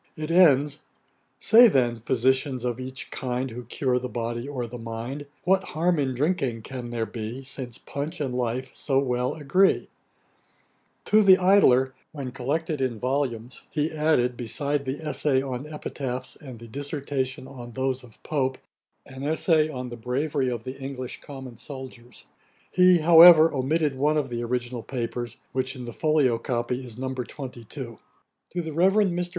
It ends, 'Say, then, physicians of each kind, Who cure the body or the mind, What harm in drinking can there be, Since punch and life so well agree?' [Page 335: Profits on The Idler. Ætat 49.] To The Idler, when collected in volumes, he added, beside the 'Essay on Epitaphs' and the 'Dissertation on those of Pope,' an Essay on the 'Bravery of the English common Soldiers.' He, however, omitted one of the original papers, which in the folio copy is No. 22. 'To THE REVEREND MR.